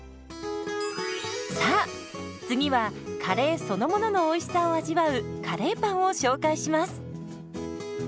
さあ次はカレーそのもののおいしさを味わうカレーパンを紹介します。